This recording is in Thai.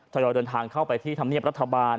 ยอยเดินทางเข้าไปที่ธรรมเนียบรัฐบาล